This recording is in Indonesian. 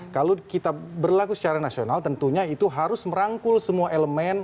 kalau kita berlaku secara nasional tentunya itu harus merangkul semua elemen